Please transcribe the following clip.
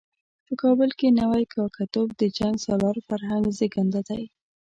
په کابل کې نوی کاکه توب د جنګ سالار فرهنګ زېږنده دی.